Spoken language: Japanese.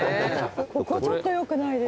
ここちょっとよくないですか？